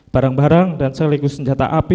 barang barang dan selikus senjata api